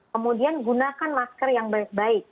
kemudian gunakan masker yang baik baik